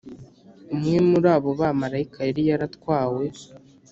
umwe muri abo bamarayika yari yaratwawe